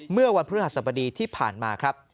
เมื่อวันพฤหัสบดีที่ผ่านมาครับ